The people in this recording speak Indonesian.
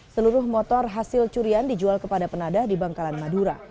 seluruh motor hasil curian dijual kepada penadah di bangkalan madura